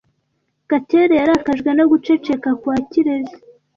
Gatera yarakajwe no guceceka kwa Kirezi .